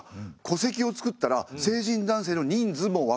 戸籍をつくったら成人男性の人数もわかる。